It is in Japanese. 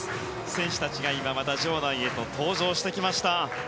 選手たちが場内へと登場してきました。